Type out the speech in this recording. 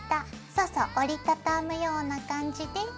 そうそう折り畳むような感じで。